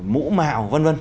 mũ mạo v v